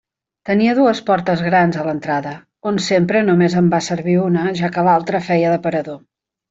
Tenia dues portes grans a l'entrada, on sempre només en va servir una, ja que l'altra feia d'aparador.